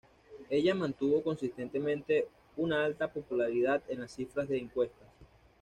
Ella mantuvo consistentemente una alta popularidad en las cifras de encuestas.